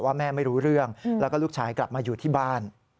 แม่ไม่รู้เรื่องแล้วก็ลูกชายกลับมาอยู่ที่บ้าน